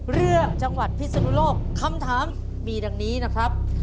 เรื่องจังหวัดพิศนุโลกคำถามมีดังนี้นะครับ